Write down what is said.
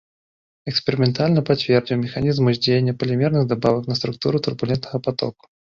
Эксперыментальна пацвердзіў механізм уздзеяння палімерных дабавак на структуру турбулентнага патоку.